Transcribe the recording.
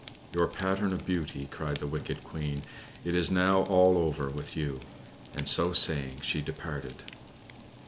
"You pattern of beauty," cried the wicked Queen, "it is now all over with you." And so saying, she departed.